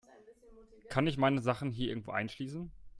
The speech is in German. Kann ich meine Sachen hier irgendwo einschließen?